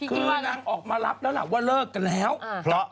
คือเขาออกมาเล็บแล้วอะว่าเลิกกันแล้ว